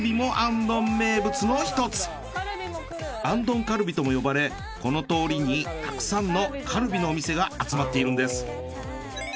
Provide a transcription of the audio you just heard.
アンドンカルビとも呼ばれこの通りにたくさんのカルビのお店が集まっているんです。